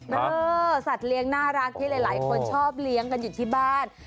เออสัตว์เลี้ยงน่ารักที่หลายคนชอบเลี้ยงกันอยู่ที่บ้าน